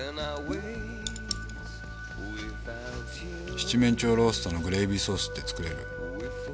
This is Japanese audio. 七面鳥ローストのグレービーソースって作れる？